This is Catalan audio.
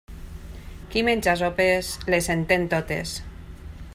Qui menja sopes, les entén totes.